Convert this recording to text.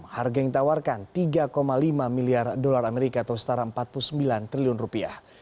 harga yang ditawarkan tiga lima miliar dolar amerika atau setara empat puluh sembilan triliun rupiah